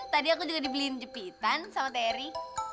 tadi aku juga dibeliin jepitan sama terry